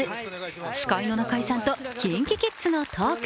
司会の中居さんとＫｉｎＫｉＫｉｄｓのトーク。